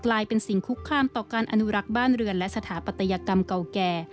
สิ่งคุกคามต่อการอนุรักษ์บ้านเรือนและสถาปัตยกรรมเก่าแก่